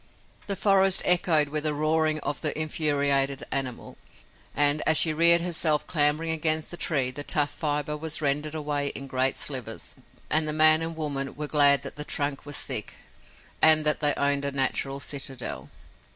The forest echoed with the roaring of the infuriated animal, and as she reared herself clambering against the tree the tough fiber was rended away in great slivers, and the man and woman were glad that the trunk was thick and that they owned a natural citadel.